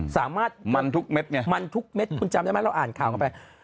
สามารถมันทุกเม็ดไงคุณจำได้ไหมเราอ่านข่าวเข้าไป